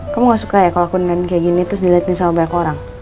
kamu gak suka ya kalau aku liat kayak gini terus diliatin sama banyak orang